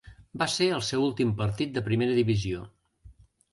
Va ser el seu últim partit de primera divisió.